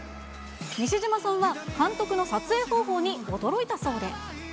西島さんは監督の撮影方法に驚いたそうで。